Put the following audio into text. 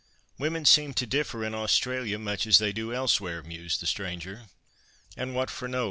"Women seem to differ in Australia much as they do elsewhere," mused the stranger. "And what for no?"